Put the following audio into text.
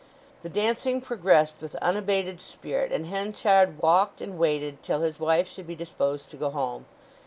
The dancing progressed with unabated spirit, and Henchard walked and waited till his wife should be disposed to go home.